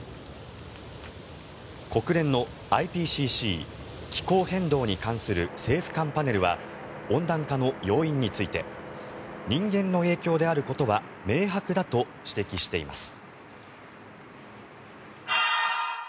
国連のＩＰＣＣ・気候変動に関する政府間パネルは温暖化の要因について人間の影響であることは明白だと指摘しています。